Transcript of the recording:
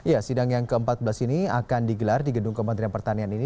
ya sidang yang ke empat belas ini akan digelar di gedung kementerian pertanian ini